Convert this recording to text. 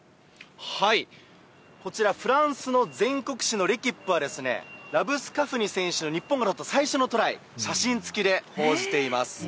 こちらフランスの全国紙のレキップはラブスカフニ選手の、日本の最初のトライ、写真付きで報じています。